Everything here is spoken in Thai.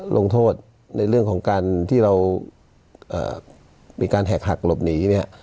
ลงโทษในเรื่องของการที่เรามีการแหกหักหลบหนีเนี่ย